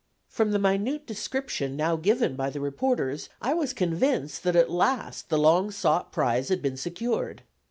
From the minute description now given by the reporters, I was convinced that, at last, the long sought prize had been secured.